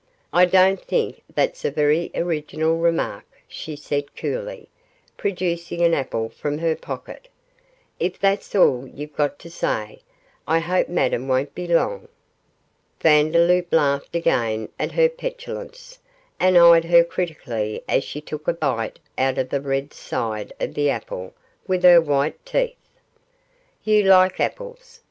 'I don't think that's a very original remark,' she said coolly, producing an apple from her pocket. 'If that's all you've got to say, I hope Madame won't be long.' Vandeloup laughed again at her petulance, and eyed her critically as she took a bit out of the red side of the apple with her white teeth. 'You like apples?